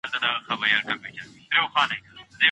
هغه کس ولي وېرېده چي تر منځ يې کرکه پيدا نسي؟